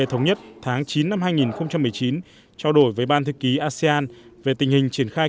thống nhất tháng chín năm hai nghìn một mươi chín trao đổi với ban thư ký asean về tình hình triển khai